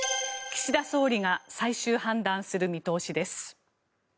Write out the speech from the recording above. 岸田総理が最終判断する見通しです。